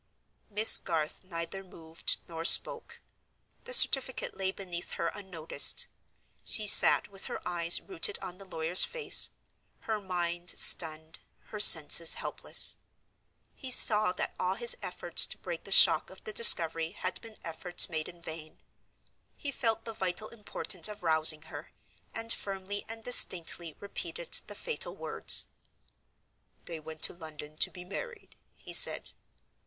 Miss Garth neither moved nor spoke. The certificate lay beneath her unnoticed. She sat with her eyes rooted on the lawyer's face; her mind stunned, her senses helpless. He saw that all his efforts to break the shock of the discovery had been efforts made in vain; he felt the vital importance of rousing her, and firmly and distinctly repeated the fatal words. "They went to London to be married," he said.